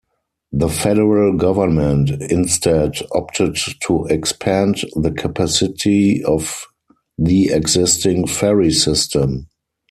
The federal government instead opted to expand the capacity of the existing ferry system.